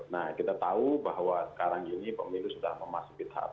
nah kita tahu bahwa sekarang ini pemilu sudah berada di dalam hal ini